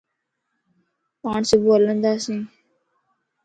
پاڻ صبح ھلنداسين